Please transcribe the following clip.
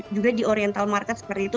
dan juga di oriental market seperti itu